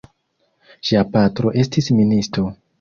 Ŝia patro estis ministo.